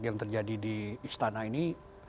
yang terjadi di istana ini